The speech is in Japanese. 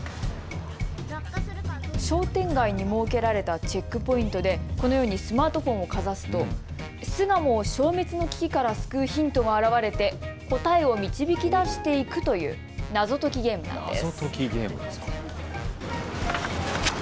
商店街に設けられたチェックポイントで、このようにスマートフォンをかざすと巣鴨を消滅の危機から救うヒントが現れて答えを導き出していくという謎解きゲームなんです。